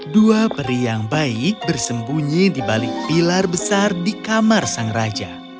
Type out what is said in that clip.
dua peri yang baik bersembunyi di balik pilar besar di kamar sang raja